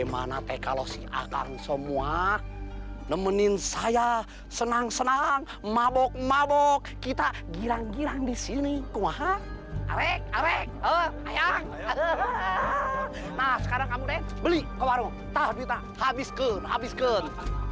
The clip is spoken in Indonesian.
dan sekarang kamu beli ke warung tak ada uang habiskan